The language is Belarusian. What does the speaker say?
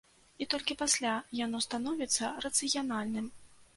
І толькі пасля яно становіцца рацыянальным.